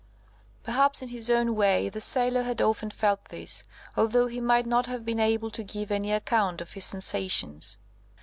Perhaps, in his own way, the sailor had often felt this, although he might not have been able to give any account of his sensations.